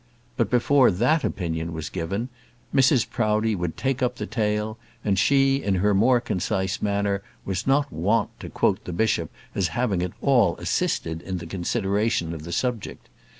But before that opinion was given, Mrs Proudie would take up the tale, and she, in her more concise manner, was not wont to quote the bishop as having at all assisted in the consideration of the subject.